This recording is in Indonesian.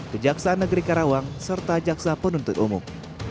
kejaksaan negeri karawang serta jaksa penuntut umum